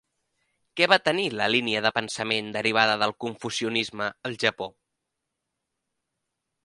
Què va tenir la línia de pensament derivada del confucianisme al Japó?